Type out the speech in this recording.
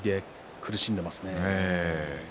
苦しんでいますね。